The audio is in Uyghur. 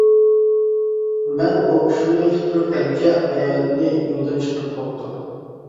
مەن ئوقۇشۇمنى پۈتتۈرۈپ كەلگۈچە، ئايالىمنى يولدىن چىقىرىپ بوپتۇ.